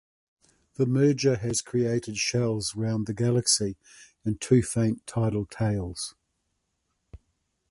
The merger has created shells around the galaxy and two faint tidal tails.